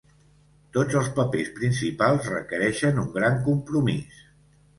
Tots els papers principals requereixen un gran compromís.